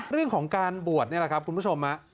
เรื่องของการบวชนี่แหละครับคุณผู้ชม